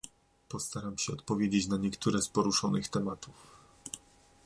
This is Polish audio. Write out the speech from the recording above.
Postaram się odpowiedzieć na niektóre z poruszonych tematów